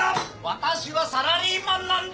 私はサラリーマンなんだ！